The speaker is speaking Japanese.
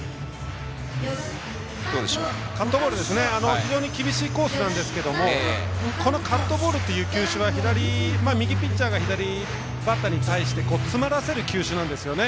非常に厳しいコースなんですけれどもこのカットボールという球種は右ピッチャーが左バッターに対して詰まらせる球種なんですよね。